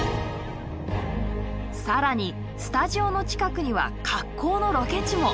更にスタジオの近くにはかっこうのロケ地も。